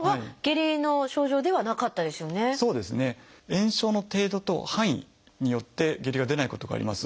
炎症の程度と範囲によって下痢が出ないことがあります。